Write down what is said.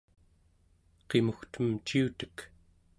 qimugtem ciutek